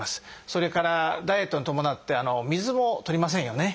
それからダイエットに伴って水もとりませんよね。